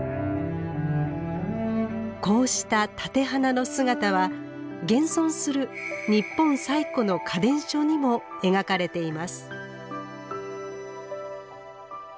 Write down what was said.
こうした立て花の姿は現存する日本最古の花伝書にも描かれています。